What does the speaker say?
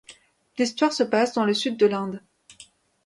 L'histoire se passe dans le sud de l'Inde.